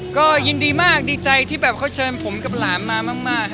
ก็ยินดีมากดีใจที่แบบเขาเชิญผมกับหลานมามาก